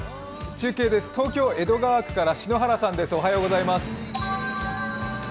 中継です、東京・江戸川区から篠原さんです。